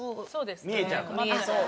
見えちゃうから。